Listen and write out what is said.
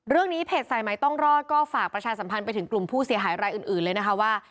เรื่องนี้เพจสายใหม่ต้องรอดก็ฝากประชาสัมพันธ์ไปถึงกลุ่มผู้เสียหายรายอื่นเลยนะคะว่า